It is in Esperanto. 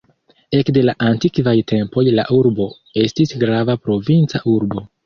Ekde la antikvaj tempoj la urbo estis grava provinca urbo.